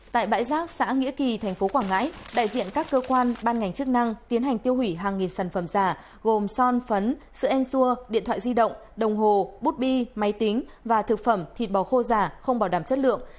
tại bãi rác xã nghĩa kỳ tp quảng ngãi đại diện các cơ quan ban ngành chức năng tiến hành tiêu hủy hàng nghìn sản phẩm giả gồm son phấn sữa ensua điện thoại di động đồng hồ bút bi máy tính và thực phẩm thịt bò khô giả không bảo đảm chất lượng